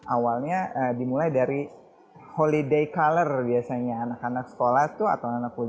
awalnya dimulai dari holiday color biasanya anak anak sekolah tuh atau anak kuliah